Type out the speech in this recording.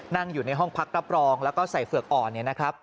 นั่งอยู่ในห้องพักรับรองแล้วก็ใส่เผือกอ่อน